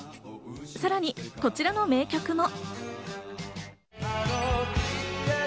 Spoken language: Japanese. さらにこちらの名曲も。